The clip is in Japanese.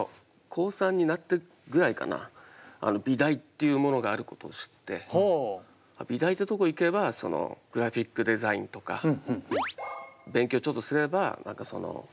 高３になってぐらいかな美大っていうものがあることを知って美大ってとこ行けばそのグラフィックデザインとか勉強ちょっとすればレコードジャケットとか。